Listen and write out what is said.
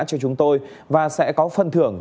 cho chúng tôi và sẽ có phân thưởng